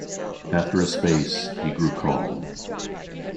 After a space he grew calm.